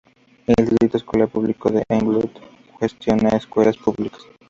El Distrito Escolar Público de Englewood gestiona escuelas públicas.